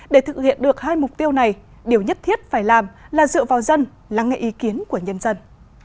để thực hiện được hai mục tiêu này điều nhất thiết phải làm là dựa vào dân lắng nghe ý kiến của nhân dân